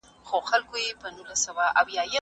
آیا دوی خپل ځانونه له ضروري مسؤلیتونو څخه